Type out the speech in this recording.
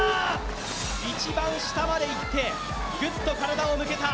一番下までいって、ギュッと体を向けた。